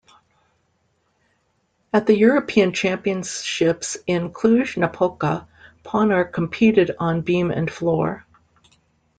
At the European Championships in Cluj-Napoca, Ponor competed on beam and floor.